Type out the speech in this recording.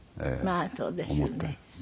まあそうですよね。